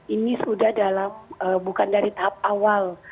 ini sudah dalam bukan dari tahap awal